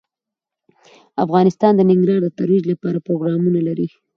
افغانستان د ننګرهار د ترویج لپاره پروګرامونه لري.